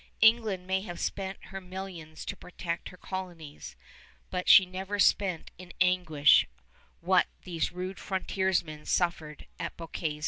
England may have spent her millions to protect her colonies, but she never spent in anguish what these rude frontiersmen suffered at Bouquet's camp.